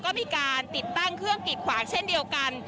ก็มีการติดตั้งเครื่องกิดขวางเช่นเดียวกัน